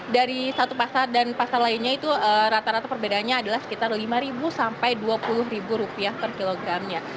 dari satu pasar dan pasar lainnya itu rata rata perbedaannya adalah sekitar rp lima sampai rp dua puluh per kilogramnya